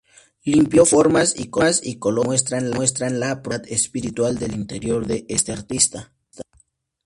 Limpio formas y colores que muestran la profundidad espiritual del interior de este artista.